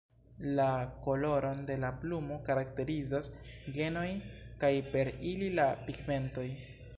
La koloron de la plumo karakterizas genoj kaj per ili la pigmentoj.